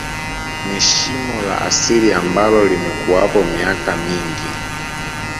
Ni shimo la asili ambalo limekuwapo miaka mingi